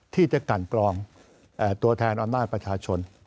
ที่จะกันกรองตัวแทนอำนาจประชาชน